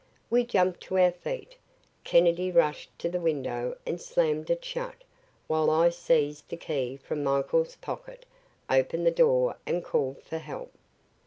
We jumped to our feet. Kennedy rushed to the window and slammed it shut, while I seized the key from Michael's pocket, opened the door and called for help.